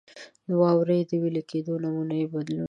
د واورو د وېلې کېدو د نمونو بدلون.